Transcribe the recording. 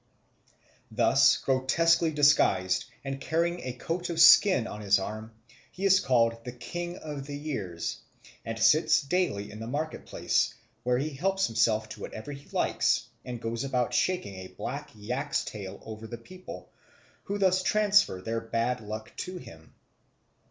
Thus grotesquely disguised, and carrying a coat of skin on his arm, he is called the King of the Years, and sits daily in the market place, where he helps himself to whatever he likes and goes about shaking a black yak's tail over the people, who thus transfer their bad luck to him.